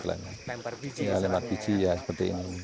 lempar biji ya seperti ini